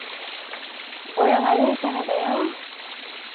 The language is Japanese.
親がいいからだよ。